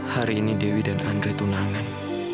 hari ini dewi dan andre tunangan